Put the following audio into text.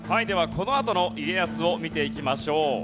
このあとの家康を見ていきましょう。